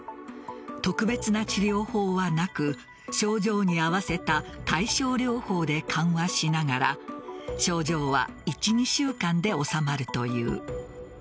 特別な治療法はなく症状に合わせた対症療法で緩和しながら症状は１２週間で治まるという。